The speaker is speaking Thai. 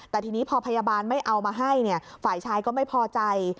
แต่ทีนี้พอพยาบาลไม่เอามาให้ฝ่ายชายก็ไม่พอใจ